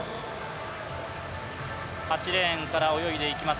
８レーンから泳いでいきます